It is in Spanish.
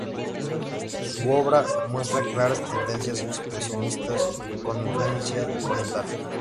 Su obra muestra claras tendencias expresionistas con influencia oriental.